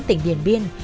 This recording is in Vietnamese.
tỉnh điển biên